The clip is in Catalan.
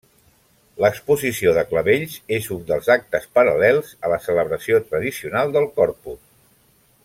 L’Exposició de Clavells és un dels actes paral·lels a la celebració tradicional del Corpus.